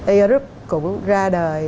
air group cũng ra đời